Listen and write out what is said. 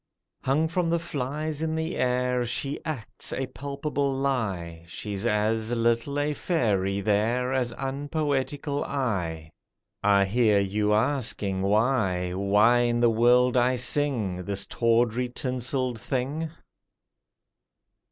Hung from the "flies" in air, She acts a palpable lie, She's as little a fairy there As unpoetical I! I hear you asking, Why— Why in the world I sing This tawdry, tinselled thing?